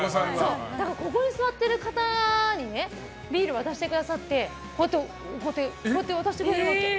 だから、ここに座ってる方にねビール渡してくださってこうやって、こうやって渡してくれるわけ。